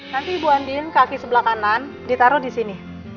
nanti ibu andin kaki sebelah kanan ditaruh di sini